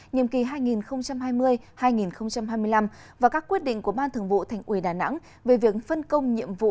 nhiệm kỳ hai nghìn hai mươi hai nghìn hai mươi năm và các quyết định của ban thường vụ thành ủy đà nẵng về việc phân công nhiệm vụ